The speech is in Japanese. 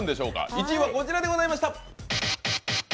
１位はこちらでございました。